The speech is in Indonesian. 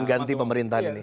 ganti pemerintahan ini